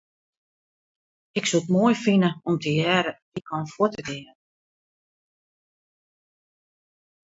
Ik soe it moai fine om tegearre in wykein fuort te gean.